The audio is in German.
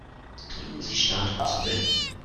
Drücken Sie Start, um zu beenden.